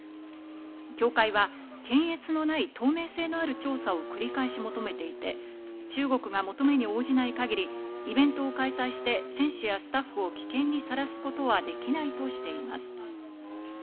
協会は検閲のない透明性のある調査を繰り返し求めていて、中国が求めに応じない限り、イベントを開催して選手やスタッフを危険にさらすことはできないとしています。